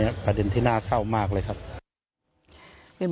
คุณยายบอกว่ารู้สึกเหมือนใครมายืนอยู่ข้างหลัง